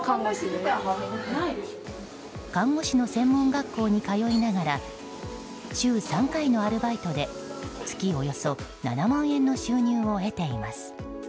看護師の専門学校に通いながら週３回のアルバイトで月およそ７万円の収入を得ています。